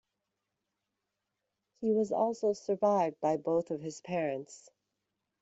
He was also survived by both of his parents.